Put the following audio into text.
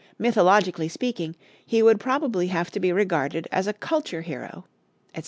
Mythologically speaking, he would probably have to be regarded as a Culture Hero," etc.